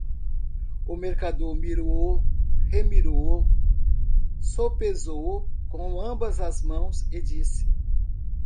O mercador mirou-o, remirou-o, sopesou-o com ambas as mãos e disse